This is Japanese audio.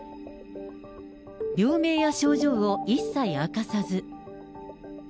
病名や症状を一切明かさず。